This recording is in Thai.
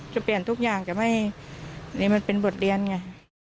จะเปลี่ยนทุกอย่างจะไม่นี่มันเป็นบทเรียนไง